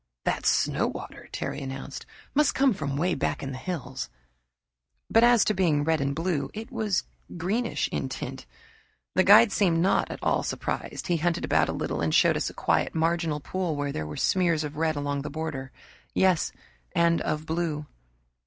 "That's snow water," Terry announced. "Must come from way back in the hills." But as to being red and blue it was greenish in tint. The guide seemed not at all surprised. He hunted about a little and showed us a quiet marginal pool where there were smears of red along the border; yes, and of blue.